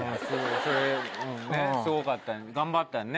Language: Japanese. それすごかったよ頑張ったよね？